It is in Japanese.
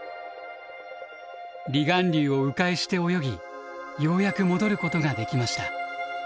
離岸流を迂回して泳ぎようやく戻ることができました。